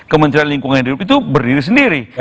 kementerian lingkungan hidup itu berdiri sendiri